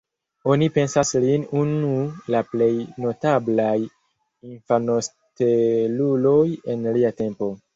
Oni pensas lin unu la plej notablaj infanosteluloj en lia tempo.